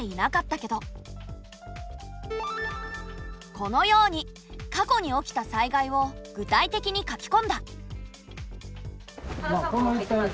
このように過去に起きた災害を具体的に書きこんだ。